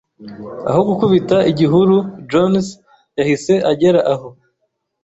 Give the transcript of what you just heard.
Aho gukubita igihuru, Jones yahise agera aho.